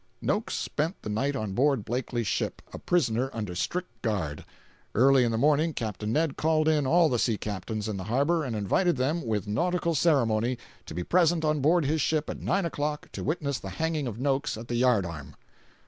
Noakes spent the night on board Blakely's ship, a prisoner under strict guard. Early in the morning Capt. Ned called in all the sea captains in the harbor and invited them, with nautical ceremony, to be present on board his ship at nine o'clock to witness the hanging of Noakes at the yard arm!